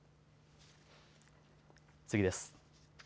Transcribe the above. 次です。